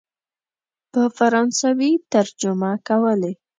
په فرانسوي ترجمه کولې.